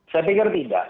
saya pikir tidak